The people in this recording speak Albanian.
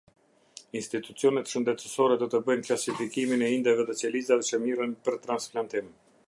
Institucionet shëndetësore do të bëjnë klasifikimin e indeve dhe qelizave që mirren për transplantim.